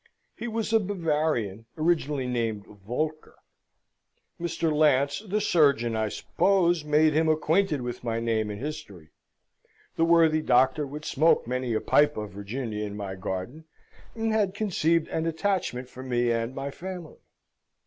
He was a Bavarian, originally named Voelker. Mr. Lance, the surgeon, I suppose, made him acquainted with my name and history. The worthy doctor would smoke many a pipe of Virginia in my garden, and had conceived an attachment for me and my family.